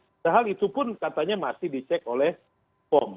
padahal itu pun katanya masih dicek oleh pom